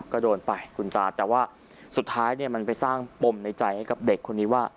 ก็โดนไปคุณตาแต่ว่าสุดท้ายเนี่ยมันไปสร้างปมในใจให้กับเด็กคนนี้ว่า